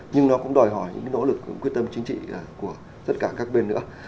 nhưng nó cũng đòi hỏi những nỗ lực quyết tâm chính trị của tất cả các bên nữa